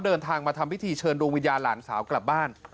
เดินทางมาทำพิธีเชิญดวงวิญญาณหลานสาวกลับบ้าน